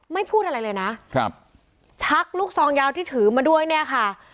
พูดอะไรเลยนะครับชักลูกซองยาวที่ถือมาด้วยเนี่ยค่ะ